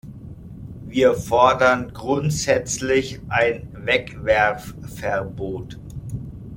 Wir fordern grundsätzlich ein Wegwerfverbot.